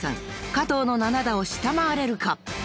加藤の７打を下回れるか？］